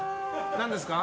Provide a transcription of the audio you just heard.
何ですか？